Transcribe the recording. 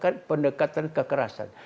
jangan pendekatan kekerasan